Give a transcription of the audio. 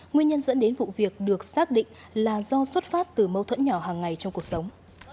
nguyên nhân dẫn đến vụ việc được xác định là do xuất phát từ mâu thuẫn nhỏ hàng ngày trong cuộc sống